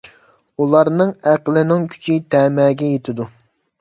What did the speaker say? ئۇلارنىڭ ئەقلىنىڭ كۈچى تەمەگە يېتىدۇ.